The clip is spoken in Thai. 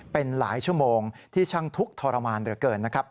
เป็นหลายชั่วโมงที่ช่างทุกข์ทรมานเหลือเกินนะครับ